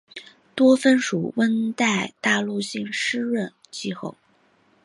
多芬属温带大陆性湿润气候。